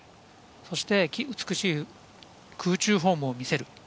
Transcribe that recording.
そして美しい空中フォームを見せる。